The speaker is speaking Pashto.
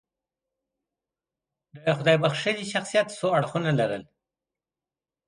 د خدای بښلي شخصیت څو اړخونه لرل.